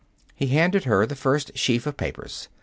He handed her the first sheaf of papers.